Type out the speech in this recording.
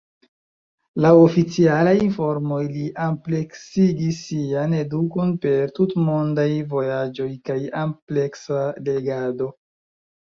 Laŭ oficialaj informoj li ampleksigis sian edukon per tutmondaj vojaĝoj kaj ampleksa legado.